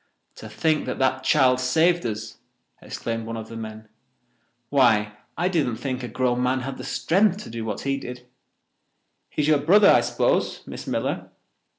"To think that that child saved us!" exclaimed one of the men. "Why, I didn't think a grown man had the strength to do what he did. He is your brother, I suppose, Miss Miller.